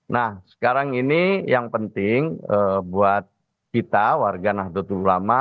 nah sekarang ini yang penting buat kita warga nahdlatul ulama